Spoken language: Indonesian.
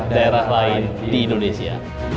daerah lain di indonesia